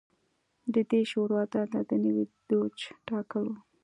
د دې شورا دنده د نوي دوج ټاکل و